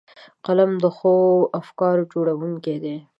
قلم د ښو افکارو جوړوونکی دی